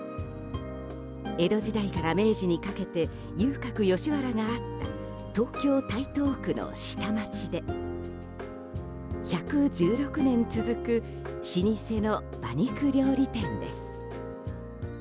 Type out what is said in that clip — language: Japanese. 江戸時代から明治にかけて遊郭・吉原があった東京・台東区の下町で１１６年続く老舗の馬肉料理店です。